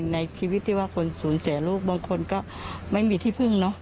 ในชีวิตที่ว่าคนสูญเสียลูกบางคนก็ไม่มีที่พึ่งเนอะ